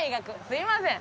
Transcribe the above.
すいません。